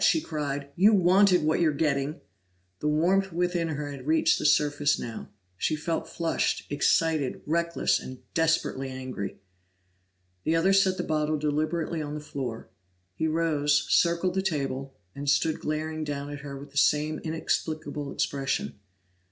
she cried. "You wanted what you're getting!" The warmth within her had reached the surface now; she felt flushed, excited, reckless, and desperately angry. The other set the bottle deliberately on the floor; he rose, circled the table, and stood glaring down at her with that same inexplicable expression.